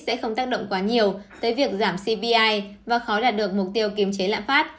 sẽ không tác động quá nhiều tới việc giảm cpi và khó đạt được mục tiêu kiềm chế lạm phát